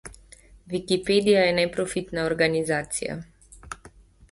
Wikipedija je neprofitna organizacija.